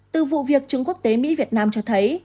từ vụ việc trường quốc tế mỹ việt nam cho thấy